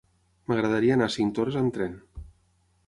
M'agradaria anar a Cinctorres amb tren.